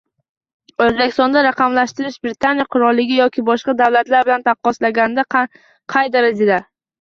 Oʻzbekistonda raqamlashtirish Britaniya Qirolligi yoki boshqa davlatlar bilan taqqoslaganda qay darajada?